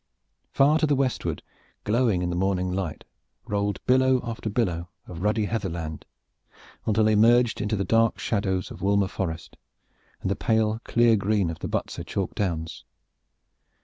Far to the westward, glowing in the morning light, rolled billow after billow of ruddy heather land, until they merged into the dark shadows of Woolmer Forest and the pale clear green of the Butser chalk downs.